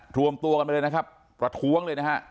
รวมตัวกันไปเลยนะครับประท้วงเลยนะฮะ